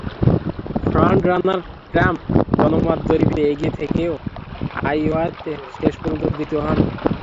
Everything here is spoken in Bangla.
ফ্রন্ট রানার ট্রাম্প জনমত জরিপে এগিয়ে থেকেও আইওয়াতে শেষ পর্যন্ত দ্বিতীয় হন।